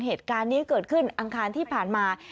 เหตุการณ์นี้เกิดขึ้นอังคารที่ผ่านมา